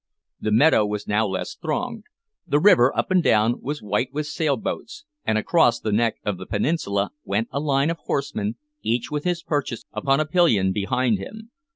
The meadow was now less thronged. The river, up and down, was white with sailboats, and across the neck of the peninsula went a line of horsemen, each with his purchase upon a pillion behind him.